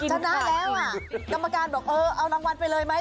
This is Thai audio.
ชนะแล้วอ่ะกรรมการบอกเออเอารางวัลไปเลยไหม